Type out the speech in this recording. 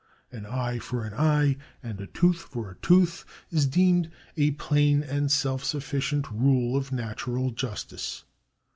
An eye for an eye and a tooth for a tooth is deemed a plain and self sufficient rule of natural justice.